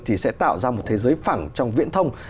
thì sẽ tạo ra một thế giới phẳng trong viễn thông